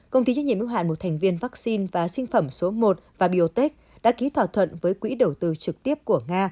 công ty chức nhiệm ưu hạn một thành viên vắc xin và sinh phẩm số i và biotech đã ký thỏa thuận với quỹ đầu tư trực tiếp của nga